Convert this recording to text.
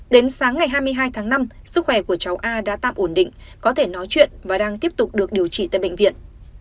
đến sáng ngày hai mươi hai tháng năm sức khỏe của cháu a đã tạm ổn định có thể nói chuyện và đang tiếp tục được điều trị tại bệnh viện